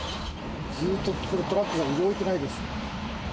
ずっとこれ、トラックが動いていないです。